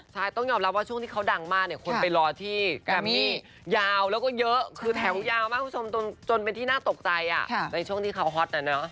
ใช่ต้องยอมรับว่าช่วงที่เขาดังมากเนี่ยคนไปรอที่แกรมมี่ยาวแล้วก็เยอะคือแถวยาวมากคุณผู้ชมจนเป็นที่น่าตกใจในช่วงที่เขาฮอตน่ะเนอะ